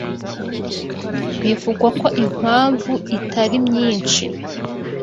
Bivugwa ko impamvu itari myinshi